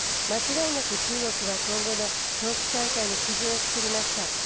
間違いなく中国は今後の冬季大会の基準を作りました。